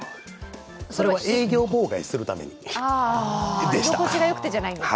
それは営業妨害するためにでした。